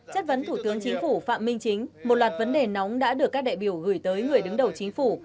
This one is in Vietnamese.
chất vấn thủ tướng chính phủ phạm minh chính một loạt vấn đề nóng đã được các đại biểu gửi tới người đứng đầu chính phủ